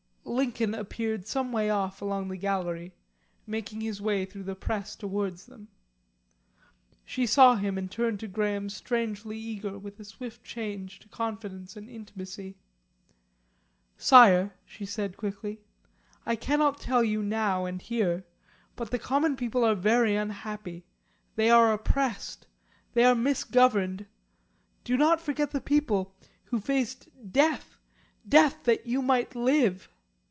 Lincoln appeared some way off along the gallery, making his way through the press towards them. She saw him and turned to Graham strangely eager, with a swift change to confidence and intimacy. "Sire," she said quickly, "I cannot tell you now and here. But the common people are very unhappy; they are oppressed they are misgoverned. Do not forget the people, who faced death death that you might live."